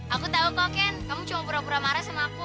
aku tahu koken kamu cuma pura pura marah sama aku